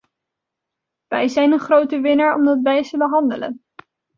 Wij zijn de grote winnaar omdat wij zullen handelen.